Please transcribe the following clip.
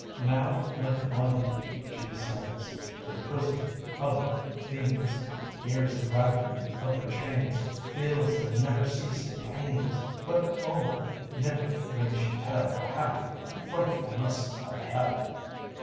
Now like lightning she descends To the prison of the fiends, Hears the rattling of their chains, Feels their never ceasing pains But, O never may she tell Half the frightfulness of hell.